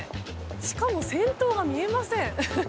しかも先頭が見えません。